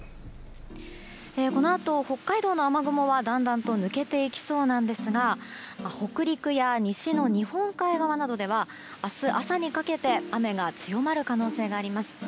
このあと、北海道の雨雲はだんだんと抜けていきそうですが北陸や西の日本海側などでは明日朝にかけて雨が強まる可能性があります。